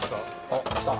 ・あっ来た。